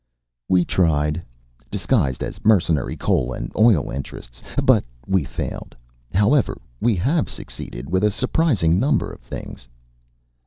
"We tried, disguised as mercenary coal and oil interests. But we failed. However, we have succeeded with a surprising number of things."